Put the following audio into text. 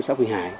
xã quỳnh hải